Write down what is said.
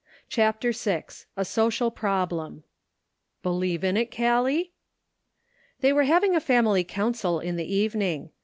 CHAPTER VI. A SOCIAL PROBLEM. BELIEVE in it, Callie?" They were having a family council in the evening.